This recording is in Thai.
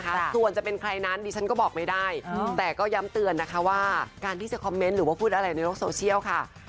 ไปส่วนจะเป็นใครนั้นผมก็บอกไม่ได้แต่ก็ย้ำเตือนนะคะว่าในโลกของคุณของคุณค่ะ